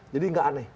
jadi nggak aneh